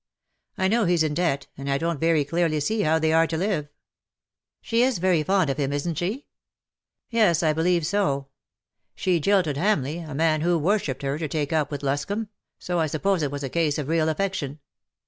I know he's in debt, and I don't very clearly see how they are to live." " She is very fond of him, isn't she ?"" Yes, I believe so. She jilted Hamleigh, a man who worshipped her, to take up with Luscomb, so I suppose it was a case of real affection."